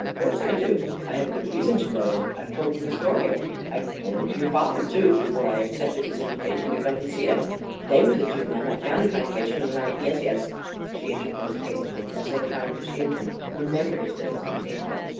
"Of course I do. I have good reason to know them. I've told you the story. I told it to your father, too, before I accepted his invitation to come and see him. They were the two men I found in my kitchen when I " "Yes, yes," she interposed hastily, as though trying to shield him from memories that must be painful.